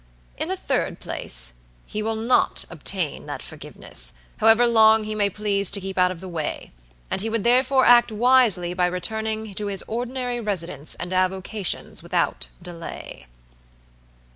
In the third place, he will not obtain that forgiveness, however long he may please to keep out of the way; and he would therefore act wisely by returning to his ordinary residence and avocations without delay."